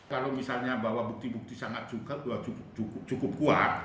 kalau misalnya bawa bukti bukti sangat juga cukup kuat